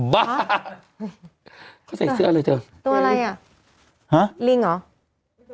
บ้าเขาใส่เสื้อเลยเถอะตัวอะไรอ่ะฮะลิงเหรอ